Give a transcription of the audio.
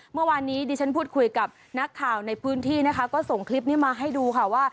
เมื่อวานนี้ดิฉันพูดคุยกับนักข่าวในพื้นที่นะคะก็ส่งคลิปนี้มาให้ดูค่ะว่า